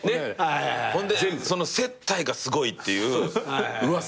ほんでその接待がすごいっていう噂